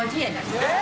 えっ？